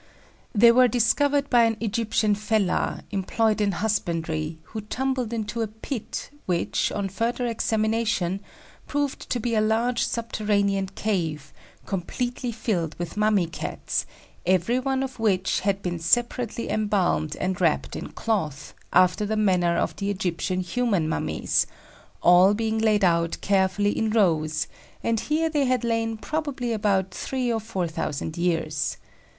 They were discovered by an Egyptian fellah, employed in husbandry, who tumbled into a pit which, on further examination, proved to be a large subterranean cave completely filled with mummy Cats, every one of which had been separately embalmed and wrapped in cloth, after the manner of the Egyptian human mummies, all being laid out carefully in rows; and here they had lain probably about three or four thousand years.